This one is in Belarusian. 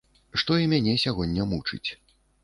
Што і мяне сягоння мучыць.